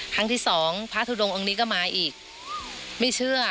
ครั้งที่สองพระทุดงองค์นี้ก็มาอีกไม่เชื่อ